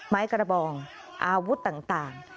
ไม้กระบองอาวุธต่าง